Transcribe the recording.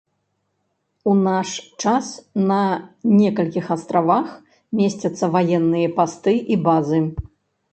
У наш час на некалькіх астравах месцяцца ваенныя пасты і базы.